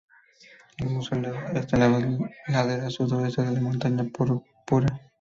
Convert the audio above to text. El mausoleo está en la ladera sudoeste de la Montañas Púrpura.